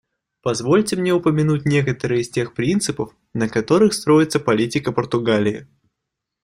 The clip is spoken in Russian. Позвольте мне упомянуть некоторые из тех принципов, на которых строится политика Португалии.